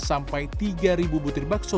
sampai tiga butir bakso